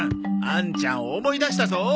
兄ちゃん思い出したぞ！